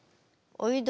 おいど。